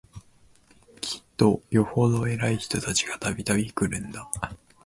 きっとよほど偉い人たちが、度々来るんだ